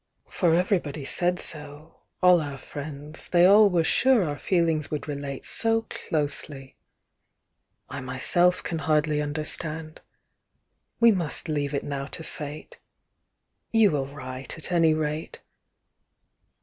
"For everybody said so, all our friends, They all were sure our feelings would relate So closely! I myself can hardly understand. We must leave it now to fate. You will write, at any rate.